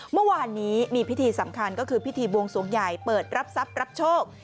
เมื่อวานนี้มีพิธีสำคัญก็คือพิธีบวงสวงใหญ่เปิดรับทรัพย์รับโชค